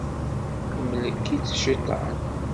Yemlek-itt cciṭan.